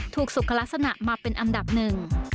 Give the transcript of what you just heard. ถูกสุขลักษณะมาเป็นอันดับหนึ่ง